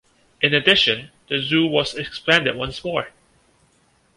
In addition, the zoo was expanded once more.